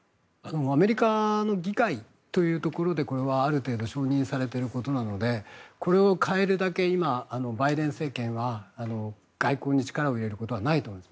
アメリカの議会というところでこれはある程度承認されていることなのでこれを変えるだけ今、バイデン政権は外交に力を入れることはないと思います。